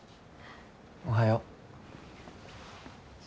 おはよう。